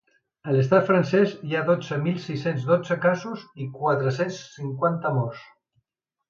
A l’estat francès hi ha dotze mil sis-cents dotze casos i quatre-cents cinquanta morts.